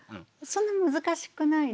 そんな難しくないですね。